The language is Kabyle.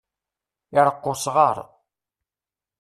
Iṛeqq usɣaṛ.